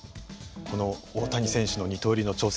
この大谷選手の二刀流の挑戦